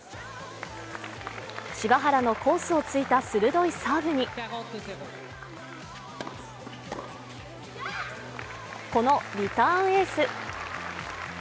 柴原のコースをついた鋭いサーブにこのリターンエース。